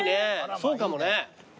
そうかもね。